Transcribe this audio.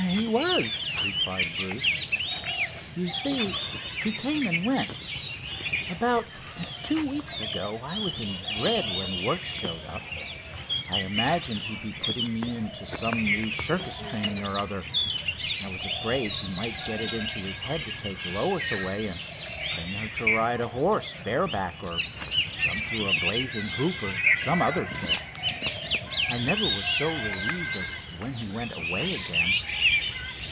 "He was," replied Bruce. "You see, he came and went. About two weeks ago I was in dread when Wertz showed up. I imagined he'd be putting me into some new circus training or other. I was afraid he might get it into his head to take Lois away, and train her to ride a horse bareback, or jump through a blazing hoop, or some other trick. I never was so relieved as when he went away again.